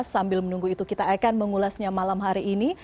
sambil menunggu itu kita akan mengulasnya malam hari ini